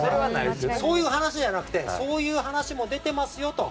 そういう話じゃなくてそういう話も出ていますよと。